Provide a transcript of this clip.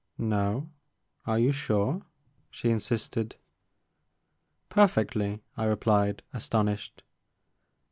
'*' No ? Are you sure ?'' she insisted. ''Perfectly," I replied, astonished.